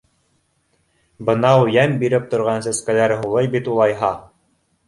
Бынау йәм биреп торған сәскәләр һулый бит улайһа.